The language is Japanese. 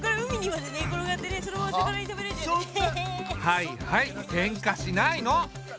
はいはいけんかしないの。